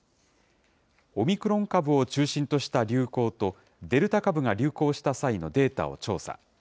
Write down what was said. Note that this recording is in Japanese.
オミクロン株を中心とした流行と、デルタ株が流行した際のデータを調査。